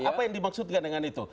apa yang dimaksudkan dengan itu